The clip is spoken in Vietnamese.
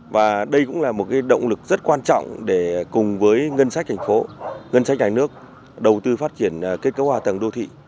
và đây cũng là một động lực rất quan trọng để cùng với ngân sách thành phố ngân sách nhà nước đầu tư phát triển kết cấu hạ tầng đô thị